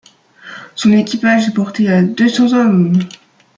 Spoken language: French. Son équipage est porté à deux cents hommes.